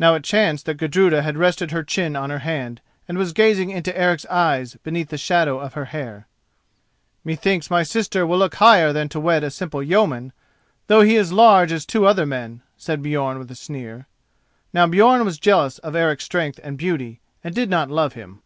Now it chanced that Gudruda had rested her chin on her hand, and was gazing into Eric's eyes beneath the shadow of her hair. "Methinks my sister will look higher than to wed a simple yeoman, though he is large as two other men," said Björn with a sneer. Now Björn was jealous of Eric's strength and beauty, and did not love him.